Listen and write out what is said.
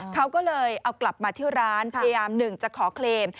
เขาก็เลยเอากลับมาที่ร้านพยายามหนึ่งจะขอเคลม